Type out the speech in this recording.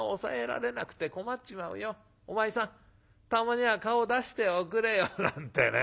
たまには顔を出しておくれよ』なんてね